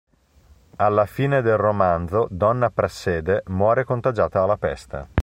Alla fine del romanzo, donna Prassede muore contagiata dalla peste.